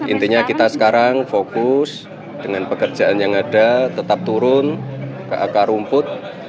intinya kita sekarang fokus dengan pekerjaan yang ada tetap turun ke akar rumput